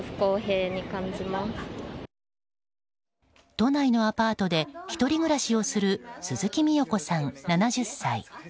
都内のアパートで１人暮らしをする鈴木ミヨ子さん、７０歳。